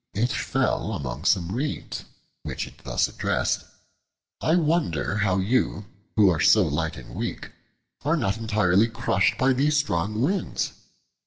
It fell among some Reeds, which it thus addressed: "I wonder how you, who are so light and weak, are not entirely crushed by these strong winds."